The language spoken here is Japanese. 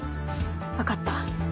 分かった。